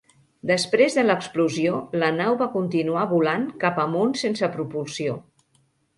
Després de l'explosió la nau va continuar volant cap amunt sense propulsió.